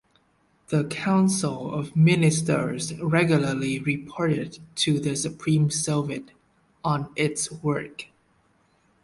The Council of Ministers regularly reported to the Supreme Soviet on its work.